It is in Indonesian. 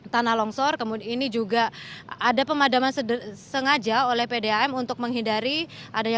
tanah longsor kemudian ini juga ada pemadaman sengaja oleh pdam untuk menghindari adanya